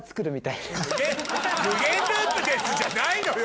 「無限ループです」じゃないのよ！